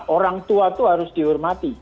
orang tua itu harus dihormati